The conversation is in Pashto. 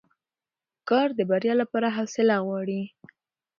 کار د بریا لپاره حوصله غواړي